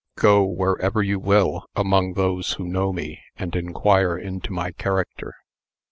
Go, wherever you will, among those who know me, and inquire into my character.